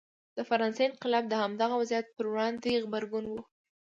د فرانسې انقلاب د همدغه وضعیت پر وړاندې غبرګون و.